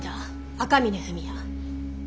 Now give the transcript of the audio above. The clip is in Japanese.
赤峰文也。